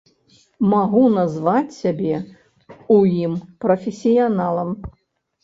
Магу назваць сябе ў ім прафесіяналам.